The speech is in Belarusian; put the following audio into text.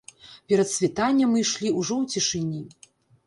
Перад світаннем мы ішлі ўжо ў цішыні.